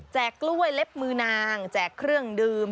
กล้วยเล็บมือนางแจกเครื่องดื่ม